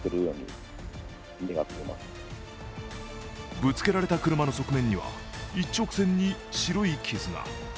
ぶつけられた車の側面には一直線に白い傷が。